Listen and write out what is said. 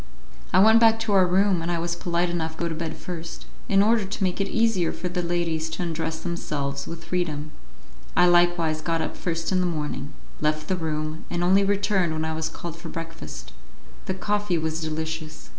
I went back to our room, and I was polite enough to go to bed first, in order to make it easier for the ladies to undress themselves with freedom; I likewise got up first in the morning, left the room, and only returned when I was called for breakfast. The coffee was delicious.